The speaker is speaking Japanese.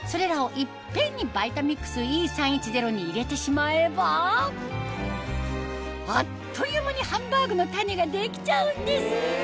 それらを一遍にＶｉｔａｍｉｘＥ３１０に入れてしまえばあっという間にハンバーグのタネができちゃうんです